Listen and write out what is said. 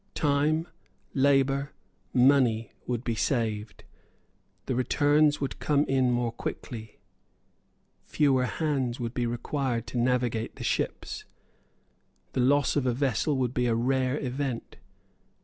Time, labour, money, would be saved. The returns would come in more quickly. Fewer hands would be required to navigate the ships. The loss of a vessel would be a rare event.